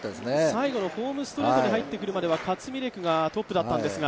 最後のホームストレートに入ってくるまではカツミレクがトップだったんですが。